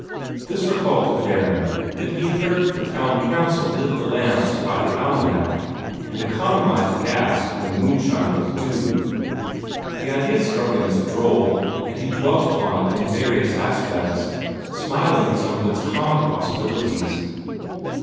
This recalled to Theron that he had heard that the town council lit the street lamps by the almanac, and economized gas when moonshine was due. The idea struck him as droll, and he dwelt upon it in various aspects, smiling at some of its comic possibilities.